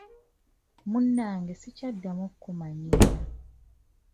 Munnange sikyaddamu kukumanyiira.